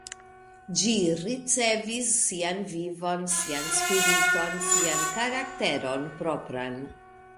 Ĝi ricevis sian vivon, sian spiriton, sian karakteron propran.